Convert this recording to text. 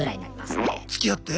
つきあって？